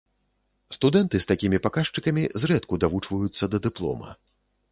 Студэнты з такімі паказчыкамі зрэдку давучваюцца да дыплома.